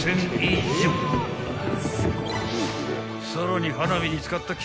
［さらに］